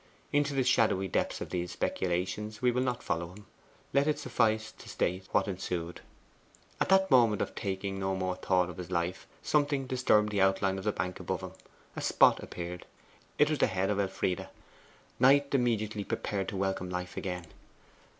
Into the shadowy depths of these speculations we will not follow him. Let it suffice to state what ensued. At that moment of taking no more thought for this life, something disturbed the outline of the bank above him. A spot appeared. It was the head of Elfride. Knight immediately prepared to welcome life again.